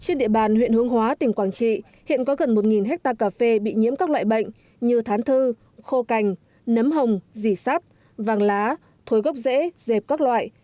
trên địa bàn huyện hướng hóa tỉnh quảng trị hiện có gần một hectare cà phê bị nhiễm các loại bệnh như thán thư khô cành nấm hồng dỉ sắt vàng lá thối gốc rễ dẹp các loại